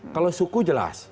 kalau suku jelas